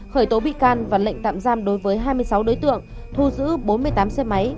khởi tố bị can và lệnh tạm giam đối với hai mươi sáu đối tượng thu giữ bốn mươi tám xe máy